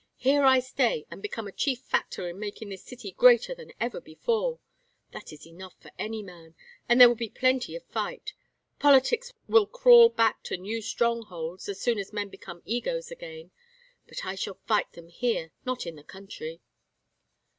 Here I stay and become a chief factor in making this city greater even than before. That is enough for any man. And there will be plenty of fight. Politics will crawl back to new strongholds, as soon as men become egos again, but I shall fight them here, not in the country."